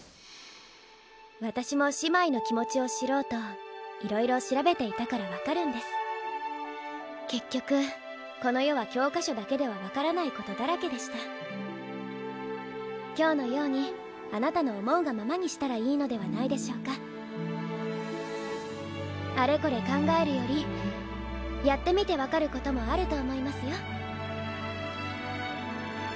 私も姉妹の気持ちを知ろうと色々調べていたから分かるんです結局この世は教科書だけでは分からないことだらけでした今日のようにあなたの思うがままにしたらいいのではないでしょうかあれこれ考えるよりやってみて分かることもあると思いますよ